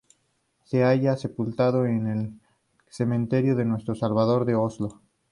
Ser halla sepultado en el Cementerio de Nuestro Salvador, de Oslo.